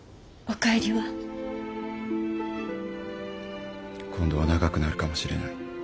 今度は長くなるかもしれない。